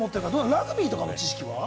ラグビーなどの知識は？